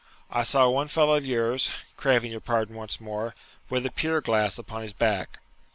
I saw one fellow of yours (craving your pardon once more) with a pier glass upon his back.'